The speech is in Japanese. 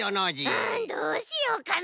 うんどうしようかな？